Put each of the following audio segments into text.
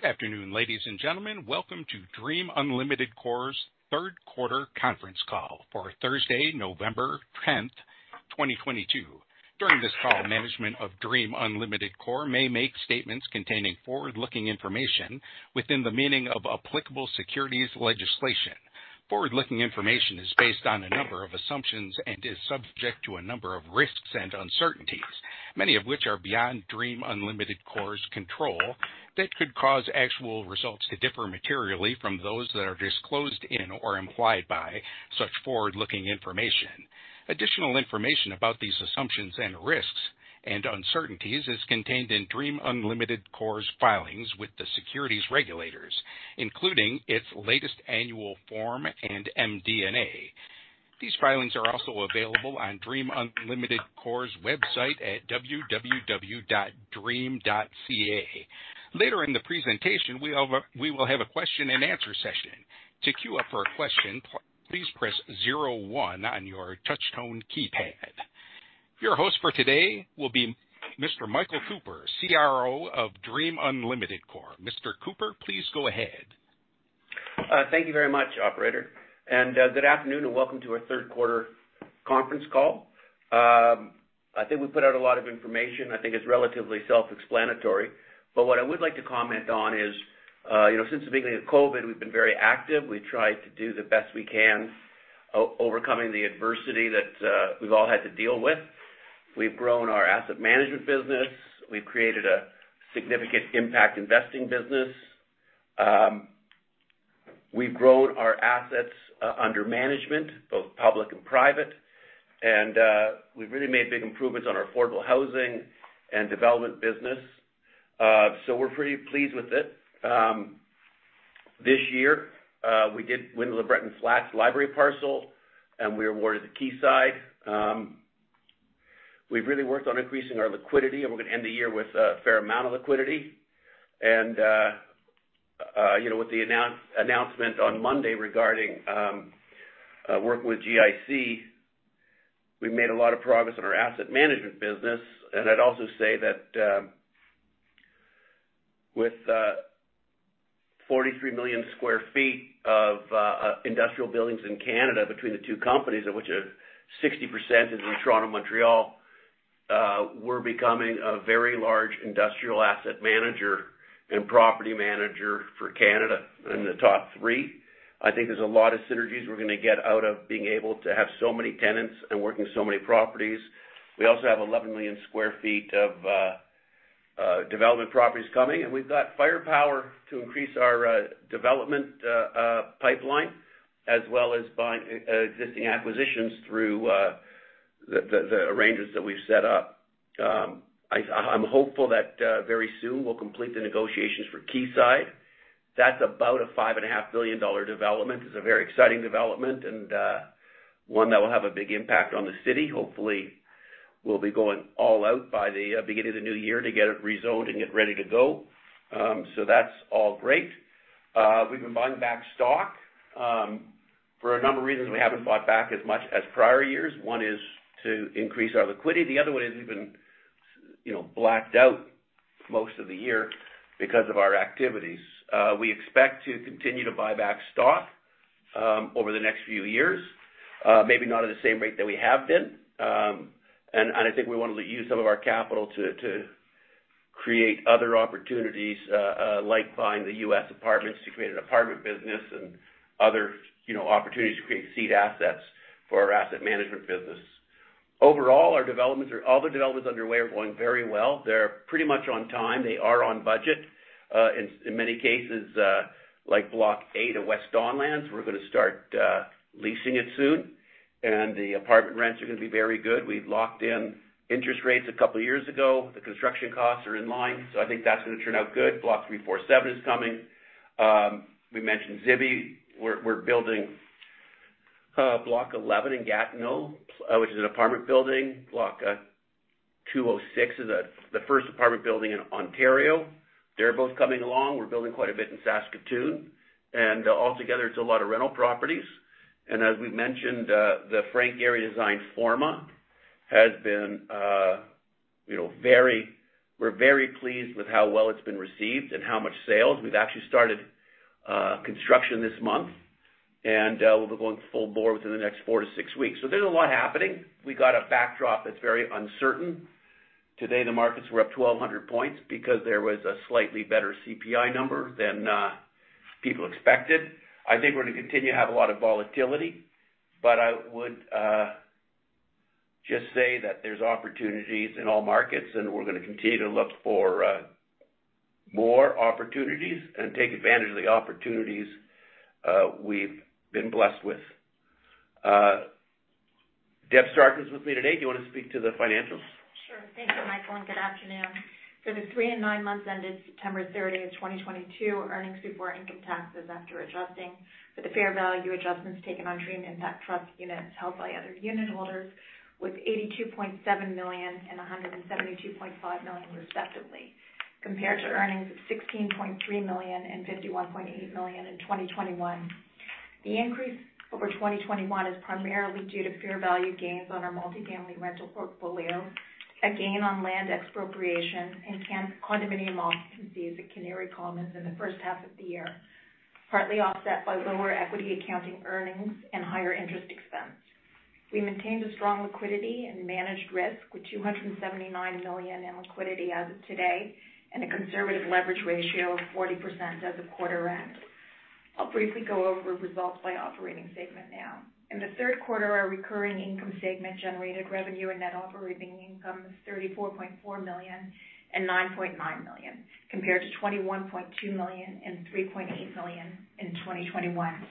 Good afternoon, ladies and gentlemen. Welcome to Dream Unlimited Corp's third quarter conference call for Thursday, November 10, 2022. During this call, management of Dream Unlimited Corp may make statements containing forward-looking information within the meaning of applicable securities legislation. Forward-looking information is based on a number of assumptions and is subject to a number of risks and uncertainties, many of which are beyond Dream Unlimited Corp's control that could cause actual results to differ materially from those that are disclosed in or implied by such forward-looking information. Additional information about these assumptions and risks and uncertainties is contained in Dream Unlimited Corp's filings with the securities regulators, including its latest annual form and MD&A. These filings are also available on Dream Unlimited Corp's website at www.dream.ca. Later in the presentation, we will have a question-and-answer session. To queue up for a question, please press zero one on your touch-tone keypad. Your host for today will be Mr. Michael Cooper, CRO of Dream Unlimited Corp. Mr. Cooper, please go ahead. Thank you very much, operator. Good afternoon, and welcome to our third quarter conference call. I think we put out a lot of information. I think it's relatively self-explanatory. What I would like to comment on is, you know, since the beginning of COVID, we've been very active. We've tried to do the best we can overcoming the adversity that we've all had to deal with. We've grown our asset management business. We've created a significant impact investing business. We've grown our assets under management, both public and private. We've really made big improvements on our affordable housing and development business. We're pretty pleased with it. This year, we did win the LeBreton Flats Library parcel, and we were awarded the Quayside. We've really worked on increasing our liquidity, and we're gonna end the year with a fair amount of liquidity. You know, with the announcement on Monday regarding working with GIC, we've made a lot of progress on our asset management business. I'd also say that with 43 million sq ft of industrial buildings in Canada between the two companies, of which 60% is in Toronto and Montreal, we're becoming a very large industrial asset manager and property manager for Canada in the top three. I think there's a lot of synergies we're gonna get out of being able to have so many tenants and working with so many properties. We also have 11 million sq ft of development properties coming, and we've got firepower to increase our development pipeline, as well as buying existing acquisitions through the arrangements that we've set up. I'm hopeful that very soon we'll complete the negotiations for Quayside. That's about a 5.5 billion dollar development. It's a very exciting development and one that will have a big impact on the city. Hopefully, we'll be going all out by the beginning of the new year to get it rezoned and get ready to go. That's all great. We've been buying back stock. For a number of reasons, we haven't bought back as much as prior years. One is to increase our liquidity. The other one is we've been, you know, blacked out most of the year because of our activities. We expect to continue to buy back stock over the next few years, maybe not at the same rate that we have been. I think we wanna use some of our capital to create other opportunities, like buying the U.S. apartments to create an apartment business and other, you know, opportunities to create seed assets for our asset management business. Overall, all the developments underway are going very well. They're pretty much on time. They are on budget. In many cases, like Block 206 West Don Lands, we're gonna start leasing it soon. The apartment rents are gonna be very good. We've locked in interest rates a couple years ago. The construction costs are in line, so I think that's gonna turn out good. Block 347 is coming. We mentioned Zibi. We're building Block 11 in Gatineau, which is an apartment building. Block 206 is the first apartment building in Ontario. They're both coming along. We're building quite a bit in Saskatoon. Altogether, it's a lot of rental properties. As we've mentioned, the Frank Gehry designed Forma has been, you know, we're very pleased with how well it's been received and how much sales. We've actually started construction this month, and we'll be going full bore within the next 4-6 weeks. There's a lot happening. We got a backdrop that's very uncertain. Today, the markets were up 1,200 points because there was a slightly better CPI number than people expected. I think we're gonna continue to have a lot of volatility, but I would just say that there's opportunities in all markets, and we're gonna continue to look for more opportunities and take advantage of the opportunities we've been blessed with. Deb Stark is with me today. Do you wanna speak to the financials? Sure. Thank you, Michael, and good afternoon. For the three and nine months ended September 30, 2022, earnings before income taxes after adjusting for the fair value adjustments taken on Dream Impact Trust units held by other unit holders was 82.7 million and 172.5 million respectively, compared to earnings of 16.3 million and 51.8 million in 2021. The increase over 2021 is primarily due to fair value gains on our multifamily rental portfolio, a gain on land expropriation and condominium occupancies at Canary Commons in the first half of the year, partly offset by lower equity accounting earnings and higher interest expense. We maintained a strong liquidity and managed risk with 279 million in liquidity as of today and a conservative leverage ratio of 40% as of quarter end. I'll briefly go over results by operating segment now. In the third quarter, our recurring income segment generated revenue and net operating income of 34.4 million and 9.9 million, compared to 21.2 million and 3.8 million in 2021.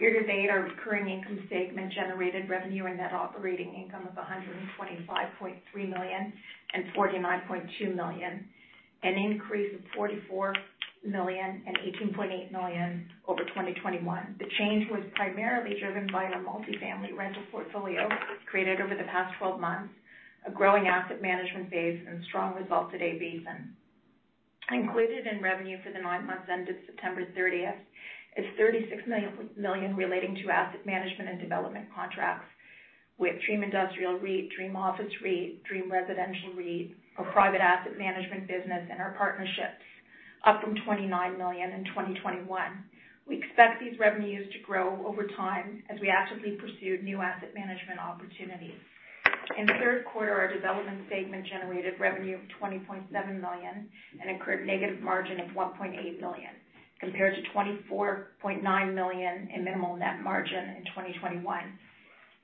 Year to date, our recurring income segment generated revenue and net operating income of 125.3 million and 49.2 million, an increase of 44 million and 18.8 million over 2021. The change was primarily driven by our multifamily rental portfolio created over the past 12 months, a growing asset management base and strong results at A-Basin. Included in revenue for the 9 months ended September 30 is 36 million relating to asset management and development contracts with Dream Industrial REIT, Dream Office REIT, Dream Residential REIT, our private asset management business and our partnerships, up from 29 million in 2021. We expect these revenues to grow over time as we actively pursue new asset management opportunities. In the third quarter, our development segment generated revenue of 20.7 million and incurred negative margin of 1.8 million, compared to 24.9 million in minimal net margin in 2021.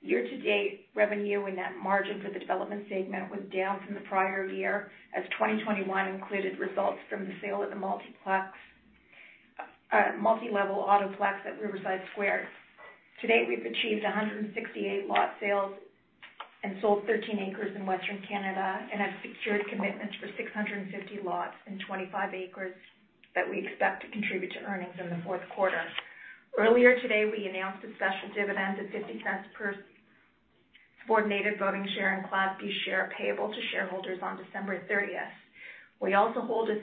Year to date, revenue and net margin for the development segment was down from the prior year as 2021 included results from the sale of the multilevel auto plex at Riverside Square. To date, we've achieved 168 lot sales and sold 13 acres in Western Canada and have secured commitments for 650 lots and 25 acres that we expect to contribute to earnings in the fourth quarter. Earlier today, we announced a special dividend of 0.50 per subordinate voting share and Class B share payable to shareholders on December 30. We also hold a 38%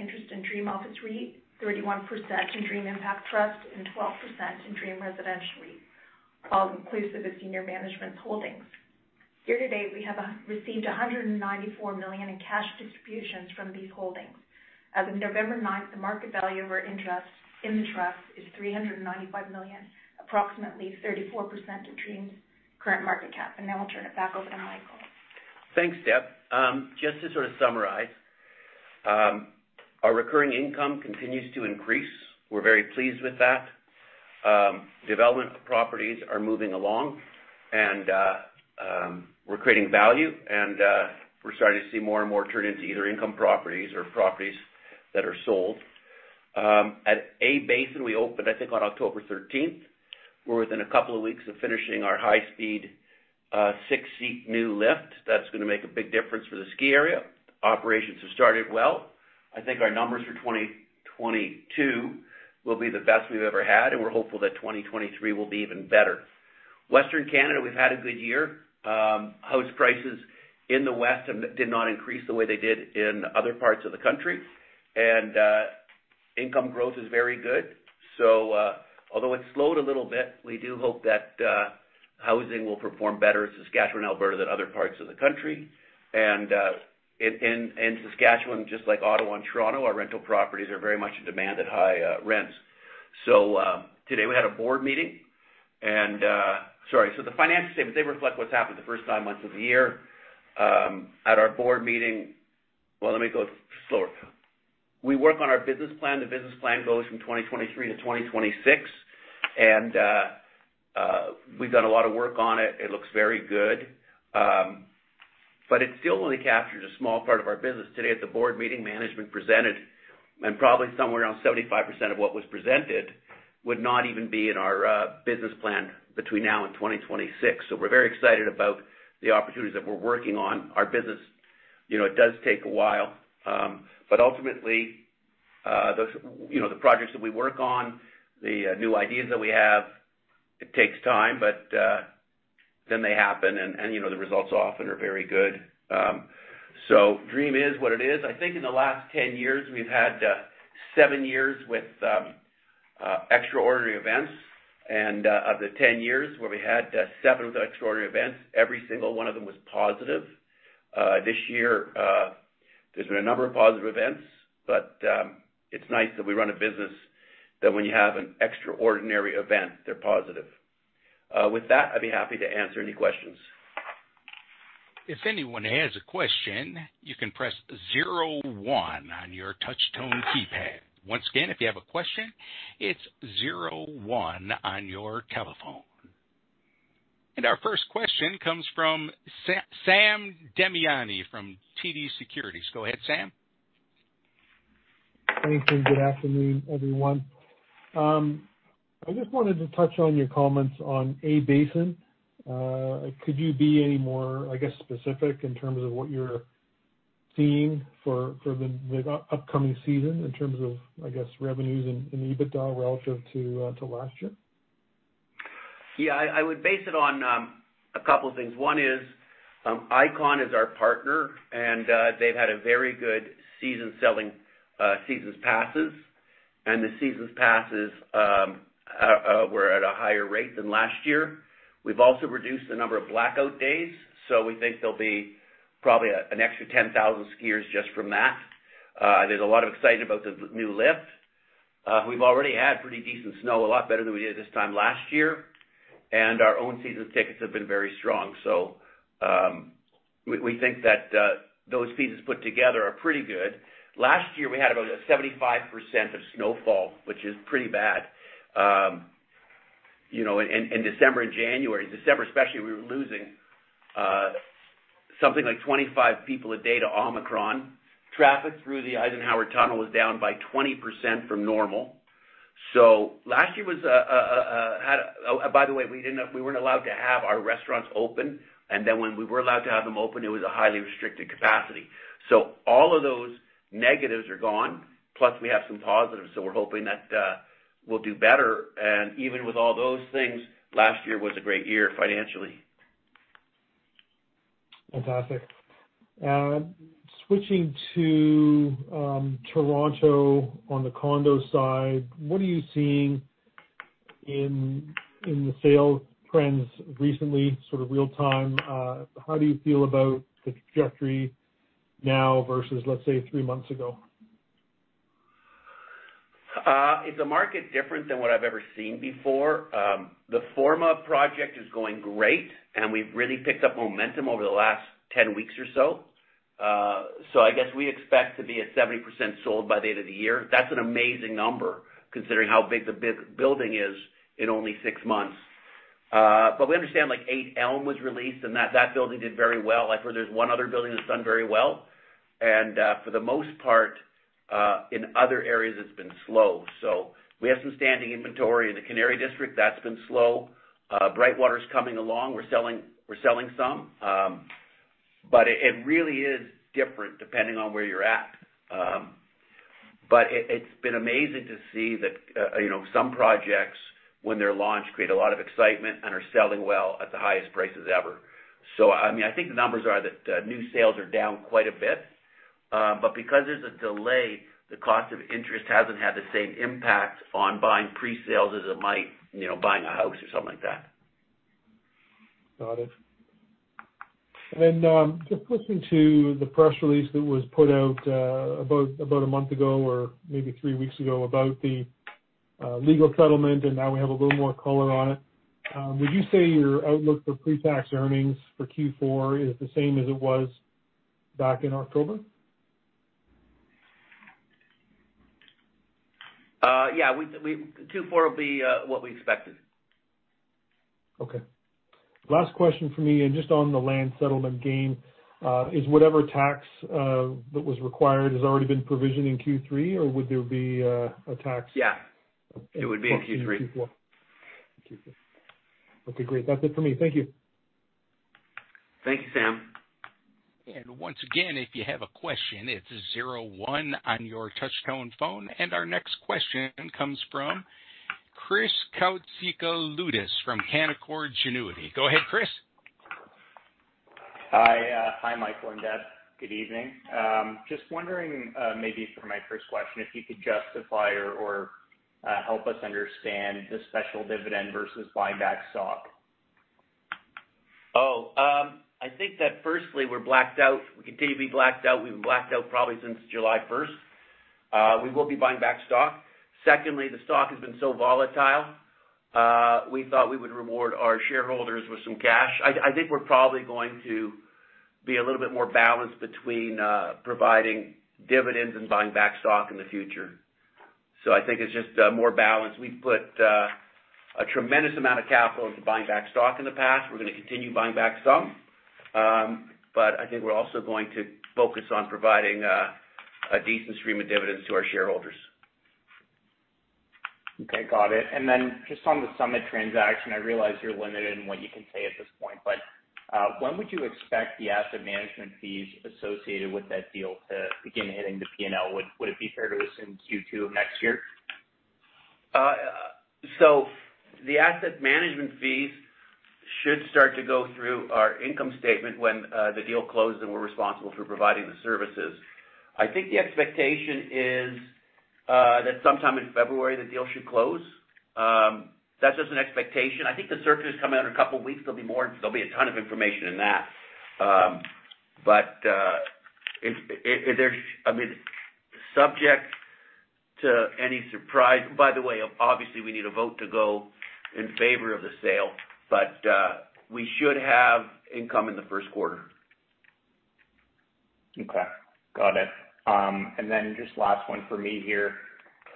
interest in Dream Office REIT, 31% in Dream Impact Trust, and 12% in Dream Residential REIT, all inclusive of senior management's holdings. Year to date, we have received 194 million in cash distributions from these holdings. As of November ninth, the market value of our interest in the trust is 395 million, approximately 34% of Dream's current market cap. Now I'll turn it back over to Michael. Thanks, Deb. Just to sort of summarize, our recurring income continues to increase. We're very pleased with that. Development properties are moving along and, we're creating value and, we're starting to see more and more turn into either income properties or properties that are sold. At A-Basin, we opened, I think on October 13. We're within a couple of weeks of finishing our high speed, six-seat new lift. That's gonna make a big difference for the ski area. Operations have started well. I think our numbers for 2022 will be the best we've ever had, and we're hopeful that 2023 will be even better. Western Canada, we've had a good year. House prices in the West did not increase the way they did in other parts of the country. Income growth is very good. Although it slowed a little bit, we do hope that housing will perform better in Saskatchewan, Alberta than other parts of the country. In Saskatchewan, just like Ottawa and Toronto, our rental properties are very much in demand at high rents. Today we had a board meeting. The financial statements reflect what's happened the first nine months of the year. At our board meeting, well, let me go slower. We work on our business plan. The business plan goes from 2023 to 2026. We've done a lot of work on it. It looks very good, but it still only captures a small part of our business. Today at the board meeting, management presented, and probably somewhere around 75% of what was presented would not even be in our business plan between now and 2026. We're very excited about the opportunities that we're working on. Our business, you know, it does take a while, but ultimately, you know, the projects that we work on, the new ideas that we have, it takes time, but then they happen and, you know, the results often are very good. Dream is what it is. I think in the last 10 years, we've had seven years with extraordinary events. Of the 10 years where we had seven with extraordinary events, every single one of them was positive. This year, there's been a number of positive events, but it's nice that we run a business that when you have an extraordinary event, they're positive. With that, I'd be happy to answer any questions. If anyone has a question, you can press zero one on your touch-tone keypad. Once again, if you have a question, it's zero one on your telephone. Our first question comes from Sam Damiani from TD Securities. Go ahead, Sam. Thanks, and good afternoon, everyone. I just wanted to touch on your comments on A-Basin. Could you be any more, I guess, specific in terms of what you're seeing for the upcoming season in terms of, I guess, revenues and EBITDA relative to last year? Yeah, I would base it on a couple things. One is, Ikon is our partner, and they've had a very good season selling seasons passes. The seasons passes were at a higher rate than last year. We've also reduced the number of blackout days, so we think there'll be probably an extra 10,000 skiers just from that. There's a lot of excitement about the new lift. We've already had pretty decent snow, a lot better than we did this time last year, and our own season tickets have been very strong. We think that those pieces put together are pretty good. Last year, we had about 75% of snowfall, which is pretty bad, you know, in December and January. December especially, we were losing something like 25 people a day to Omicron. Traffic through the Eisenhower Tunnel was down by 20% from normal. By the way, we weren't allowed to have our restaurants open, and then when we were allowed to have them open, it was a highly restricted capacity. All of those negatives are gone, plus we have some positives. We're hoping that we'll do better. Even with all those things, last year was a great year financially. Fantastic. Switching to Toronto on the condo side, what are you seeing in the sales trends recently, sort of real time? How do you feel about the trajectory now versus, let's say, three months ago? It's a market different than what I've ever seen before. The Forma project is going great, and we've really picked up momentum over the last 10 weeks or so. I guess we expect to be at 70% sold by the end of the year. That's an amazing number considering how big the building is in only six months. We understand like 8 Elm was released and that building did very well. I've heard there's one other building that's done very well. For the most part, in other areas it's been slow. We have some standing inventory in the Canary District, that's been slow. Brightwater's coming along. We're selling some. It really is different depending on where you're at. It's been amazing to see that, you know, some projects when they're launched create a lot of excitement and are selling well at the highest prices ever. I mean, I think the numbers are that new sales are down quite a bit, but because there's a delay, the cost of interest hasn't had the same impact on buying pre-sales as it might, you know, buying a house or something like that. Got it. Just listening to the press release that was put out about a month ago or maybe three weeks ago about the legal settlement, and now we have a little more color on it. Would you say your outlook for pre-tax earnings for Q4 is the same as it was back in October? Yeah. Q4 will be what we expected. Okay. Last question for me, and just on the land settlement gain. Is whatever tax that was required has already been provisioned in Q3, or would there be a tax? Yeah. Okay. It would be in Q3. In Q4. Okay, great. That's it for me. Thank you. Thank you, Sam. Once again, if you have a question, it's zero one on your touch-tone phone. Our next question comes from Chris Koutsikaloudis from Canaccord Genuity. Go ahead, Chris. Hi. Hi, Michael and Deb. Good evening. Just wondering, maybe for my first question if you could justify or help us understand the special dividend versus buying back stock. I think that firstly we're blacked out. We continue to be blacked out. We've been blacked out probably since July first. We will be buying back stock. Secondly, the stock has been so volatile, we thought we would reward our shareholders with some cash. I think we're probably going to be a little bit more balanced between providing dividends and buying back stock in the future. I think it's just more balanced. We've put a tremendous amount of capital into buying back stock in the past. We're gonna continue buying back some. I think we're also going to focus on providing a decent stream of dividends to our shareholders. Okay. Got it. Just on the Summit transaction, I realize you're limited in what you can say at this point, but when would you expect the asset management fees associated with that deal to begin hitting the P&L? Would it be fair to assume Q2 of next year? The asset management fees should start to go through our income statement when the deal closed and we're responsible for providing the services. I think the expectation is that sometime in February the deal should close. That's just an expectation. I think the circular's coming out in a couple weeks. There'll be a ton of information in that. I mean, subject to any surprise. By the way, obviously we need a vote to go in favor of the sale, but we should have income in the first quarter. Okay. Got it. Just last one for me here.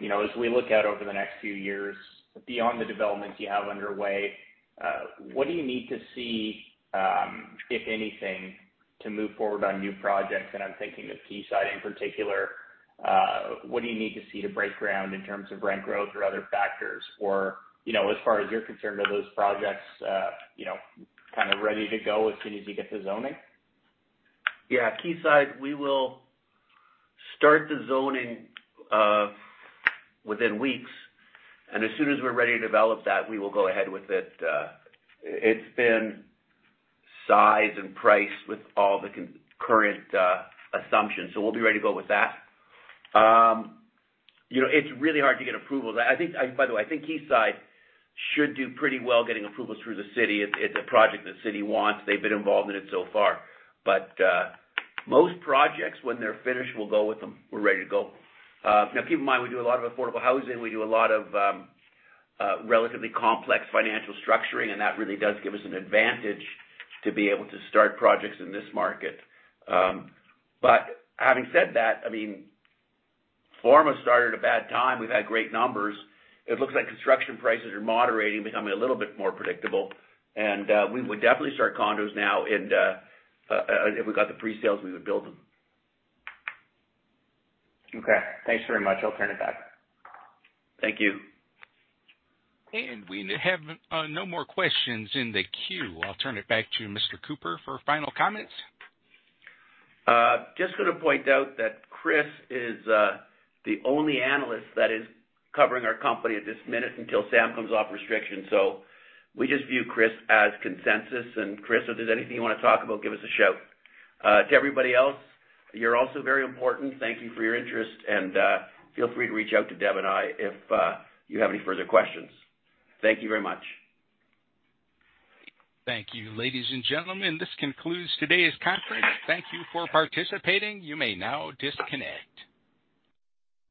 You know, as we look out over the next few years, beyond the developments you have underway, what do you need to see, if anything, to move forward on new projects? I'm thinking of Quayside in particular. What do you need to see to break ground in terms of rent growth or other factors, or, you know, as far as you're concerned, are those projects, you know, kind of ready to go as soon as you get the zoning? Yeah. Quayside, we will start the zoning within weeks, and as soon as we're ready to develop that, we will go ahead with it. It's been sized and priced with all the current assumptions, so we'll be ready to go with that. You know, it's really hard to get approvals. I think. By the way, I think Quayside should do pretty well getting approvals through the city. It's a project the city wants. They've been involved in it so far. Most projects when they're finished, we'll go with them. We're ready to go. Now keep in mind, we do a lot of affordable housing. We do a lot of relatively complex financial structuring, and that really does give us an advantage to be able to start projects in this market. Having said that, I mean, Forma started at a bad time. We've had great numbers. It looks like construction prices are moderating, becoming a little bit more predictable, and we would definitely start condos now and if we got the pre-sales, we would build them. Okay. Thanks very much. I'll turn it back. Thank you. We have no more questions in the queue. I'll turn it back to Mr. Cooper for final comments. Just gonna point out that Chris is the only analyst that is covering our company at this minute until Sam comes off restriction. We just view Chris as consensus. Chris, if there's anything you wanna talk about, give us a shout. To everybody else, you're also very important. Thank you for your interest and feel free to reach out to Deb and I if you have any further questions. Thank you very much. Thank you. Ladies and gentlemen, this concludes today's conference. Thank you for participating. You may now disconnect.